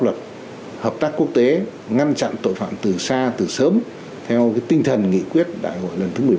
luật hợp tác quốc tế ngăn chặn tội phạm từ xa từ sớm theo cái tinh thần nghị quyết đại hội lần thứ